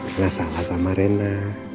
rena salah sama rena